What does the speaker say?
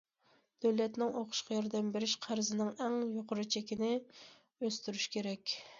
دۆلەتنىڭ ئوقۇشقا ياردەم بېرىش قەرزىنىڭ ئەڭ يۇقىرى چېكىنى ئۆستۈرۈش كېرەك.